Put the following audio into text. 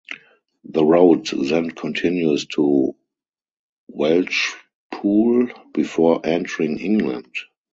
The road then continues to Welshpool before entering England.